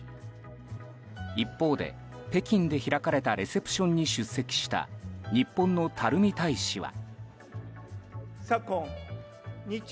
一方で、北京で開かれたレセプションに出席した日本の垂大使は。